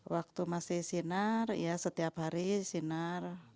waktu masih sinar ya setiap hari sinar